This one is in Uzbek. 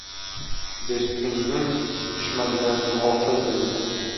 — Do‘stingning dushmanidan g‘ofil bo‘lma.